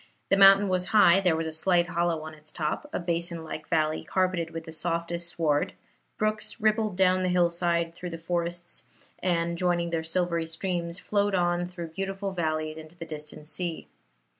The mountain was high; there was a slight hollow on its top a basin like valley, carpeted with the softest sward; brooks rippled down the hillside through the forests, and, joining their silvery streams, flowed on through beautiful valleys into the distant sea.